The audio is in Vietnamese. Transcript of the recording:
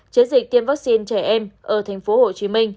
trên dịch tiêm vaccine trẻ em ở tp hcm